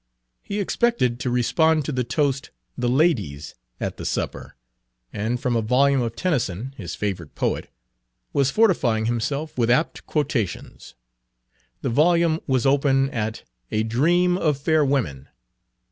He expected to respond to the toast "The Ladies" at the supper, and from a volume of Tennyson his favorite poet was fortifying himself with apt quotations. The volume was open at "A Dream of Fair Women."